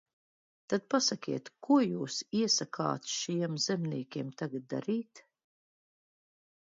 Tad pasakiet, ko jūs iesakāt šiem zemniekiem tagad darīt?